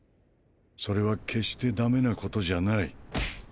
それは決して駄目な事じゃない。